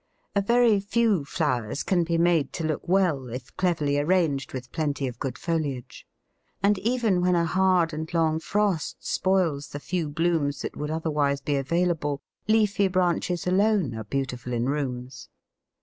A very few flowers can be made to look well if cleverly arranged with plenty of good foliage; and even when a hard and long frost spoils the few blooms that would otherwise be available, leafy branches alone are beautiful in rooms.